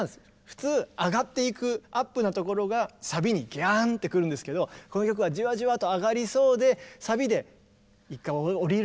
普通上がっていくアップなところがサビにギャンってくるんですけどこの曲はじわじわと上がりそうでサビで１回下りるんですよね。